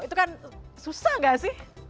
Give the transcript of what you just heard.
itu kan susah nggak sih